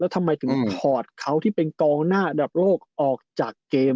ทำไมถึงถอดเขาที่เป็นกองหน้าระดับโลกออกจากเกม